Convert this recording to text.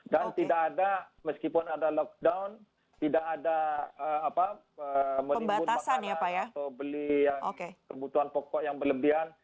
dan tidak ada meskipun ada lockdown tidak ada melibut makanan atau beli yang kebutuhan pokok yang berlebihan